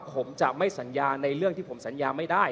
ผมจะไม่สัญญาในเรื่องที่ผมสัญญาไม่ได้